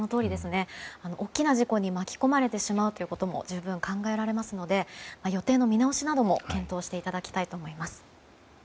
大きな事故に巻き込まれてしまうことも十分考えられますので予定の見直しなども検討していただきたいと思います。